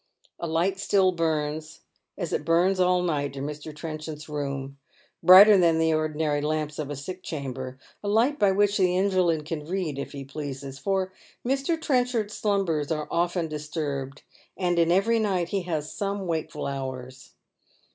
A light still burns, as it burns all night in Mr. Trcnchard's room, brighter than the ordinary lamps of a sick chamber, alight by which the invalid can read if he pleases ; for J\Ir. Trenchard's slumbers are often disturbed, and in every night he has some wakeful hours.